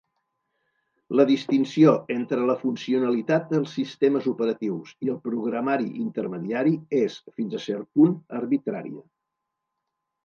La distinció entre la funcionalitat dels sistemes operatius i el programari intermediari és, fins a cert punt, arbitrària.